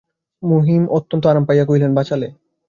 মহিম অত্যন্ত আরাম পাইয়া কহিলেন, বাঁচালে।